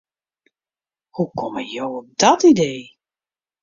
Hoe komme jo op dat idee?